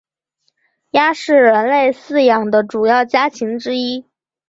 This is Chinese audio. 鸭是人类饲养的主要家禽之一。